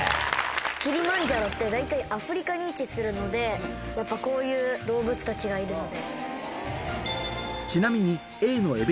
キリマンジャロって大体アフリカに位置するのでやっぱこういう動物たちがいるので。